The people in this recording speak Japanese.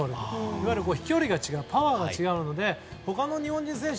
いわゆる飛距離、パワーが違うので他の日本人選手